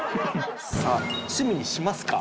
さあ趣味にしますか？